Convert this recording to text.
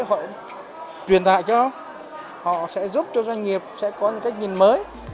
họ cũng truyền tạo cho họ sẽ giúp cho doanh nghiệp sẽ có những cách nhìn mới